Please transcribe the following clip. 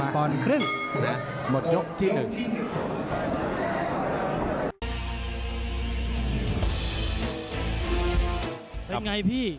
พื้นกรที่ห้าหลุมตำแหน่งแล้ว